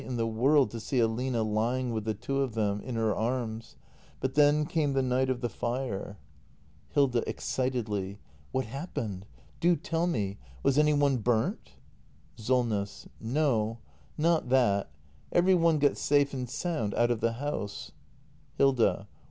in the world to see Aline lying with the two of them \ her arms. — But then came the night of the fire 346 THE MASTER BUILDER [act ii Hilda. [Excitedly.] What happened ? Do tell me! Was any one burnt? SOLNESS. No, not that. Every one got safe and sound out of the house Hilda.